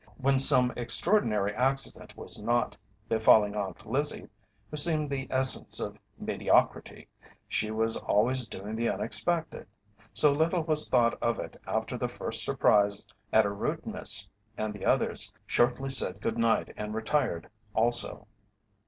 When some extraordinary accident was not befalling Aunt Lizzie, who seemed the essence of mediocrity, she was always doing the unexpected, so little was thought of it after the first surprise at her rudeness, and the others shortly said good night and retired also.